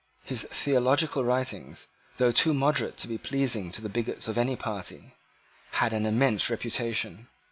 His theological writings, though too moderate to be pleasing to the bigots of any party, had an immense reputation.